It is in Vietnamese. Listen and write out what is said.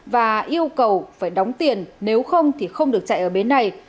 và yêu cầu phải đóng tiền nếu không thì không được chạy ở bến này